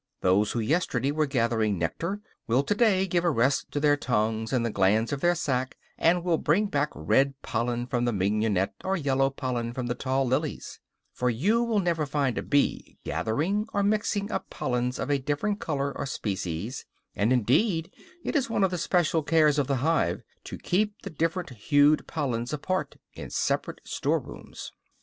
Those who yesterday were gathering nectar will to day give a rest to their tongues and the glands of their sac, and will bring back red pollen from the mignonette or yellow pollen from the tall lilies; for you will never find a bee gathering or mixing up pollens of a different color or species, and indeed it is one of the special cares of the hive to keep the different hued pollens apart in separate store rooms.